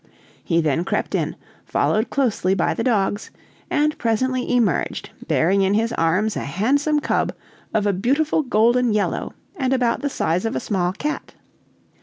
He then crept in, followed closely by the dogs, and presently emerged, bearing in his arms a handsome cub of a beautiful golden yellow and about the size of a small cat.